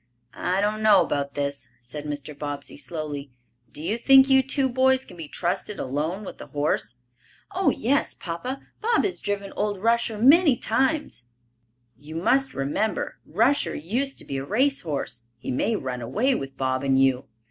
"I don't know about this," said Mr. Bobbsey slowly. "Do you think you two boys can be trusted alone with the horse?" "Oh, yes, papa. Bob has driven old Rusher many times." "You must remember, Rusher used to be a race horse. He may run away with Bob and you."